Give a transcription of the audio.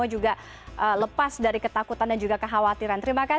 tapi hela peruledahnya berjika mengakibatkan covid sembilan belas imin